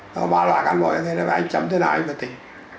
có ba loại cán bộ như thế nó phải anh chấm thế nào anh phải tìm